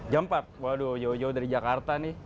jam empat waduh jauh jauh dari jakarta nih